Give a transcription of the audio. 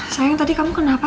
sayang tadi kamu kenapa